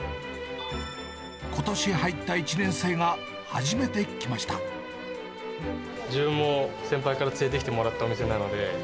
ことし入った１年生が、自分も先輩から連れてきてもらったお店なので。